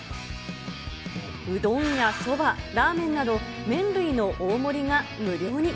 うどんやそば、ラーメンなど麺類の大盛りが無料に。